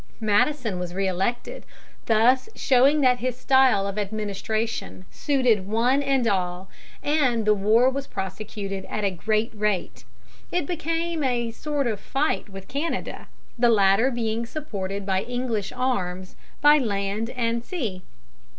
Madison was re elected, thus showing that his style of administration suited one and all, and the war was prosecuted at a great rate. It became a sort of fight with Canada, the latter being supported by English arms by land and sea.